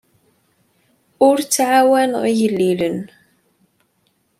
Ur ttɛawaneɣ igellilen.